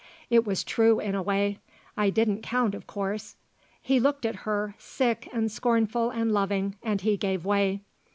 It was true in a way. I didn't count of course. He looked at her, sick and scornful and loving, and he gave way.